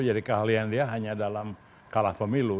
jadi keahlian dia hanya dalam kalah pemilu